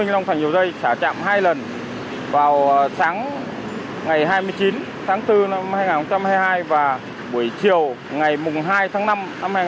là dầu dây xả trạm hai lần vào sáng ngày hai mươi chín tháng bốn năm hai nghìn hai mươi hai và buổi chiều ngày hai tháng năm năm hai nghìn hai mươi hai